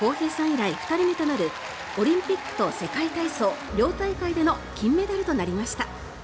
以来２人目となるオリンピックと世界体操両大会での金メダルとなりました。